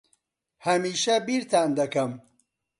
ھەمیشە بیرتان دەکەم.